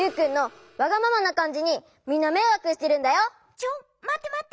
ちょまってまって！